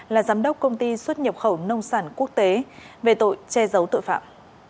là giám đốc công ty xuất nhập khẩu nông sản quốc tế về tội che giấu tội phạm